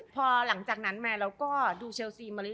พอหลังจากนั้นมาเราก็ดูเชลซีมาเรื